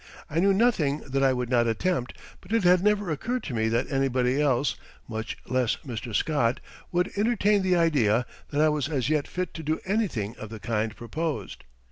I knew nothing that I would not attempt, but it had never occurred to me that anybody else, much less Mr. Scott, would entertain the idea that I was as yet fit to do anything of the kind proposed.